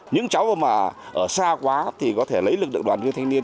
những cháu mà ở xa quá thì có thể lấy lực lượng đoàn viên thanh niên